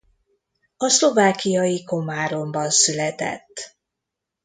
A szlovákiai Komáromban született.